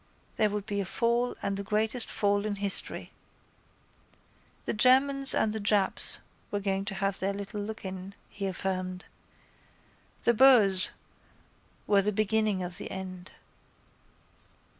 There would be a fall and the greatest fall in history. The Germans and the Japs were going to have their little lookin, he affirmed. The Boers were the beginning of the end.